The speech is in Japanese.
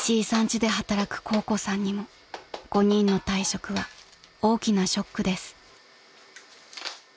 家で働く香子さんにも５人の退職は大きなショックです］